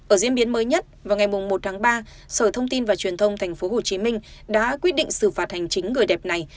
ở diễn biến mới nhất vào ngày một tháng ba sở thông tin và truyền thông tp hcm đã quyết định xử phạt hành chính người đẹp này